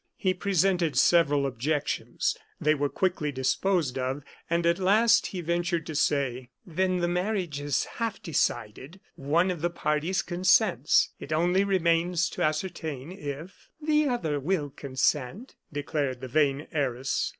He presented several objections; they were quickly disposed of; and, at last, he ventured to say: "Then the marriage is half decided; one of the parties consents. It only remains to ascertain if " "The other will consent," declared the vain heiress.